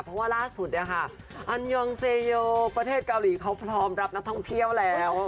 เพราะว่าล่าสุดเนี่ยค่ะอันยองเซโยประเทศเกาหลีเขาพร้อมรับนักท่องเที่ยวแล้ว